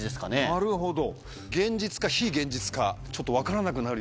なるほど。